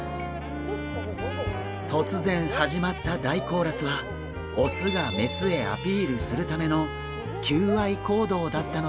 突然始まった大コーラスはオスがメスへアピールするための求愛行動だったのです！